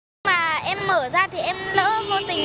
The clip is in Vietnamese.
nhưng mà em mở ra thì em lỡ vô tình